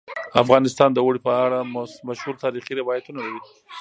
افغانستان د اوړي په اړه مشهور تاریخی روایتونه لري.